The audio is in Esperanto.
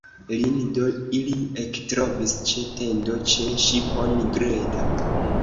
Lin do ili ektrovis ĉe tendo, ĉe ŝipo nigreta.